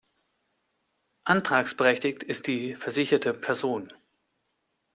Antragsberechtigt ist die versicherte Person.